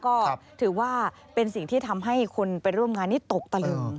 ก็ถือว่าเป็นสิ่งที่ทำให้คนไปร่วมงานนี้ตกตะลึง